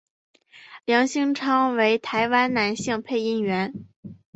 梁兴昌为台湾男性配音员。